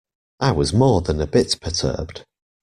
I was more than a bit perturbed.